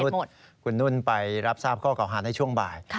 คุณนุ่นไปรับทราบข้อเก่าหาในช่วงบ่าย